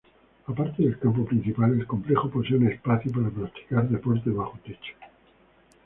Aparte del campo principal, el complejo posee un espacio para practicar deportes bajo techo.